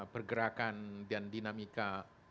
pergerakan dan dinamika